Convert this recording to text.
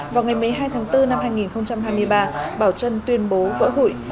vào ngày một mươi hai tháng bốn năm hai nghìn hai mươi ba bảo trân tuyên bố vỡ hủy